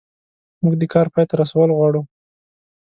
موږ د کار پای ته رسول غواړو.